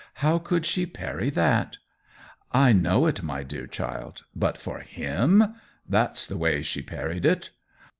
" How could she parry that ?""* I know it, my dear child — but for him 2 ' That's the way she parried it.